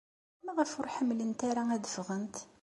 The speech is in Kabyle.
Maɣef ur ḥemmlent ara ad ffɣent?